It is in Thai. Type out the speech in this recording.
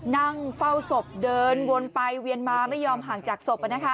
นั่งเฝ้าศพเดินวนไปเวียนมาไม่ยอมห่างจากศพ